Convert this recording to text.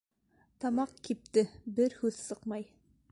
Тамаҡ кипте, бер һүҙ сыҡмай!